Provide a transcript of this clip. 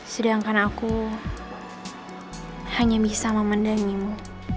sedangkan aku hanya bisa memandangimu